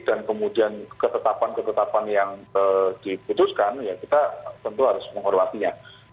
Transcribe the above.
dan kemudian ketetapan ketetapan yang diputuskan ya kita tentu harus menghormatinya